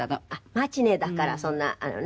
マチネだからそんなあのね。